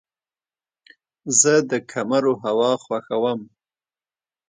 زه د کمرو هوا خوښوم.